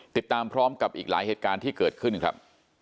ติดตามพร้อมกับอีกหลายเหตุการณ์ที่เกิดขึ้นครับ